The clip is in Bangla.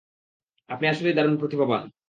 আপনি আসলেই দারুণ প্রতিভাবান।